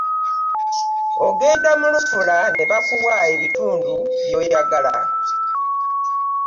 Ogenda mu Lufula n'ebakuwa ebitundu by'oyagala .